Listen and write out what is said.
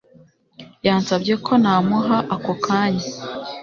yansabye ko namuha ako kanya